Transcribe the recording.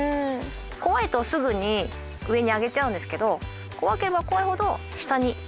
怖いとすぐに上に上げちゃうんですけど怖ければ怖いほど下に。